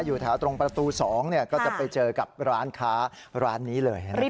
อยู่แถวตรงประตู๒ก็จะไปเจอกับร้านค้าร้านนี้เลย